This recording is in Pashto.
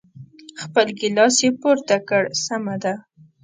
خپل ګیلاس یې پورته کړ، سمه ده.